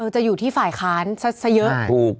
จะอยู่ที่ฝ่ายค้านซะเยอะ